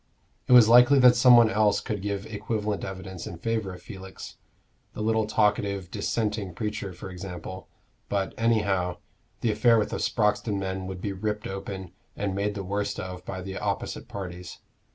It was likely that some one else could give equivalent evidence in favor of Felix the little talkative Dissenting preacher, for example: but, anyhow, the affair with the Sproxton men would be ripped open and made the worst of by the opposite parties.